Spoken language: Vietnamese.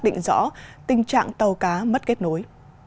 định rõ tình trạng tàu cá mất kết nối